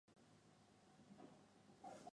勐海隔距兰为兰科隔距兰属下的一个种。